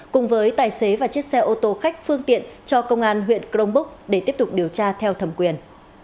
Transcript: cùng với tài xế và chiếc xe ô tô khách phương tiện cho công an huyện crong búc để tiếp tục điều tra theo thẩm quyền